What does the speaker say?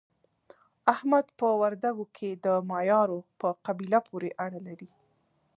احمد په وردګو کې د مایارو په قبیله پورې اړه لري.